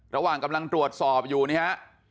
ระหว่างกำลังตรวจสอบอยู่นี่ฮะ